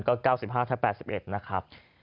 ก็๙๕ทับ๘๑นะครับ